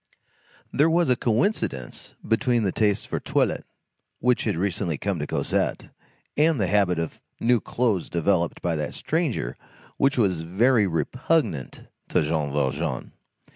There was a coincidence between the taste for the toilet which had recently come to Cosette, and the habit of new clothes developed by that stranger which was very repugnant to Jean Valjean.